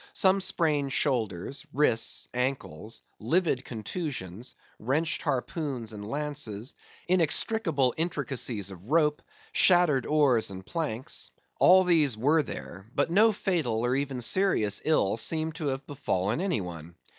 Some sprained shoulders, wrists, and ankles; livid contusions; wrenched harpoons and lances; inextricable intricacies of rope; shattered oars and planks; all these were there; but no fatal or even serious ill seemed to have befallen any one.